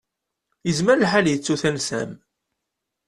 Yezmer lḥal yettu tansa-m.